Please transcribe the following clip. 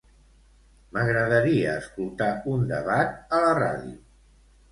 M'agradaria escoltar un debat a la ràdio.